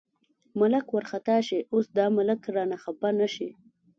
ملک وارخطا شي، اوس دا ملک رانه خپه نه شي.